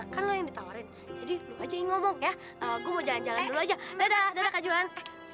kayaknya dia suka ngerasain